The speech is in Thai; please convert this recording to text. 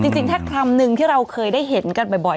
จริงถ้าคำนึงที่เราเคยได้เห็นกันบ่อย